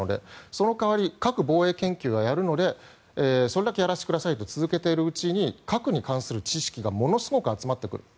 その代わり核防衛研究は続けるのでそれだけやらせてくださいと続けているうちに核に関する知識がものすごく集まってくる。